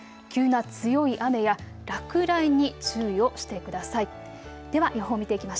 急な強い雨や落雷に注意をしてください。